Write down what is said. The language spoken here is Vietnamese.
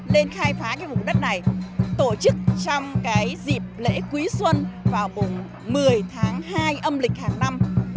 nên khai phá cái vùng đất này tổ chức trong cái dịp lễ quý xuân vào mùng một mươi tháng hai âm lịch hàng năm